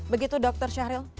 begitu dokter syahril